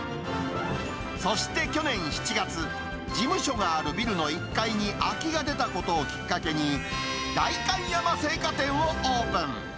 そして去年７月、事務所があるビルの１階に空きが出たことをきっかけに、代官山青果店をオープン。